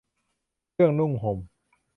เครื่องนุ่งห่ม